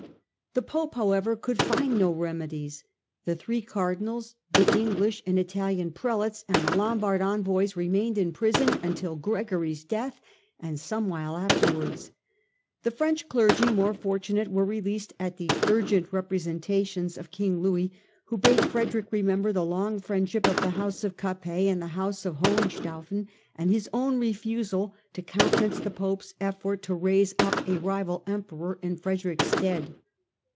The Pope, however, could find no remedies. The three Cardinals, the English and Italian Prelates, and the Lombard envoys remained in prison until Gregory's death and some while afterwards. The French clergy, more fortunate, were released at the urgent representations of King Louis, who bade Frederick remember the long friendship of the House of Capet and the House of Hohenstauf en and his own refusal to countenance the Pope's effort to raise up a rival Emperor in Frederick's stead.